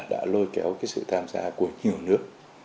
đã lôi kéo sự tham gia của nhiều nước